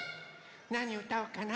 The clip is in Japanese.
なにうたおうかな。